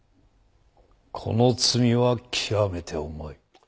この罪は極めて重い。